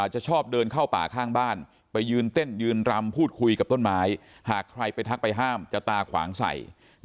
จะชอบเดินเข้าป่าข้างบ้านไปยืนเต้นยืนรำพูดคุยกับต้นไม้หากใครไปทักไปห้ามจะตาขวางใส่